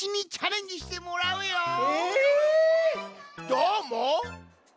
どーもっ！？